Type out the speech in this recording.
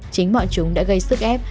chính bọn chúng đã gây sức ép